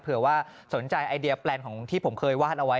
เผื่อว่าสนใจไอเดียแปลนของที่ผมเคยวาดเอาไว้